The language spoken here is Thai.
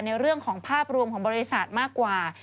ในเรื่องของภาพรวมของบริษัทมากกว่า